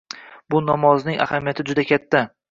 Bu namozning ahamiyati juda katta.